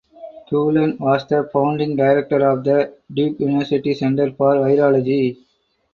Cullen was the Founding Director of the Duke University Center for Virology.